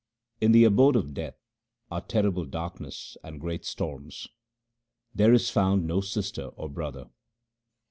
In the abode of Death are terrible darkness and great storms ; there is found no sister or brother.